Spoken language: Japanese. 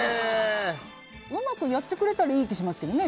うまくやってくれたらいい気しますけどね。